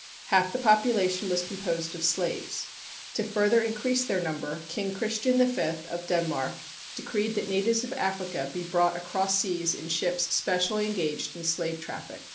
Half the population was composed of slaves. To further increase their number, King Christian V of Denmark decreed that natives of Africa be brought across seas in ships specially engaged in slave traffic.